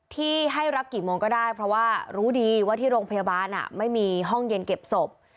ที่ให้รับกี่โมงก็ได้เพราะว่ารู้ดีว่าที่โรงพยาบาลไม่มีห้องเย็นเก็บศพ